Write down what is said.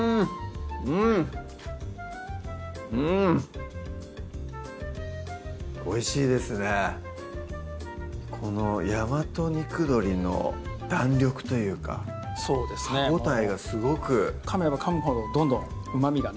うんうんおいしいですねこの大和肉鶏の弾力というか歯応えがすごくかめばかむほどどんどんうまみがね